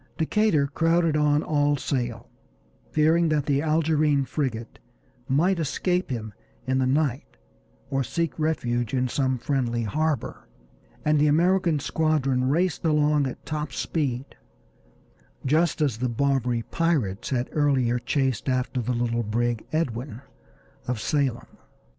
Decatur crowded on all sail, fearing that the Algerine frigate might escape him in the night or seek refuge in some friendly harbor, and the American squadron raced along at top speed, just as the Barbary pirates had earlier chased after the little brig Edwin, of Salem.